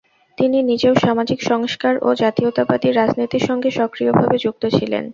তিনি নিজেও সামাজিক সংস্কার ও জাতীয়তাবাদী রাজনীতির সঙ্গে সক্রিয়ভাবে যুক্ত ছিলেন।